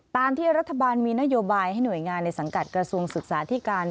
ตามที่รัฐบาลมีนโยบายให้หน่วยงานในสังกัดกระทรวงศึกษาที่การ